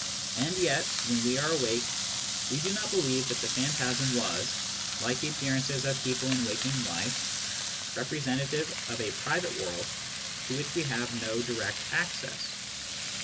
And yet, when we are awake, we do not believe that the phantasm was, like the appearances of people in waking life, representative of a private world to which we have no direct access.